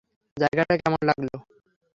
জায়গাটা কেমন লাগল?